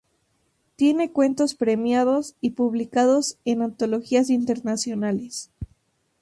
Tiene cuentos premiados y publicados en antologías internacionales.